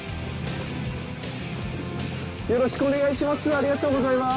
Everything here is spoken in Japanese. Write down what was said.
よろしくお願いします。